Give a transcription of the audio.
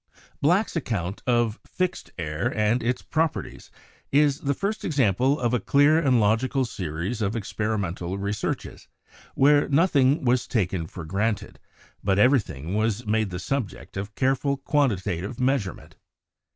Black's account of "fixed air" and its properties is the first example of a clear and logical series of experimental researches, where nothing was taken for granted, but everything was made the subject of careful quantitative measurement.